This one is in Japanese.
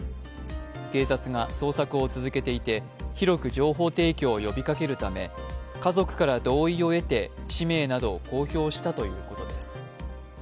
警察が捜索を続けていて広く情報提供を呼びかけるため家族から同意を得て氏名などを公表したということです。